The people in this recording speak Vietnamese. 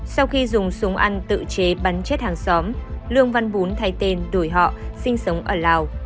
sau khi dùng súng ăn tự chế bắn chết hàng xóm lương văn bún thay tên đổi họ sinh sống ở lào